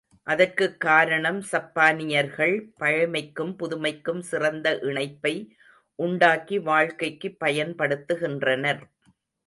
அத்ற்குக் காரணம் சப்பானியர்கள் பழைமைக்கும் புதுமைக்கும் சிறந்த இணைப்பை உண்டாக்கி வாழ்க்கைக்குப் பயன்படுத்துகின்றனர்.